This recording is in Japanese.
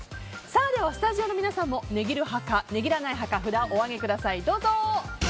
ではスタジオの皆さんも値切る派か値切らない派か札をお上げください。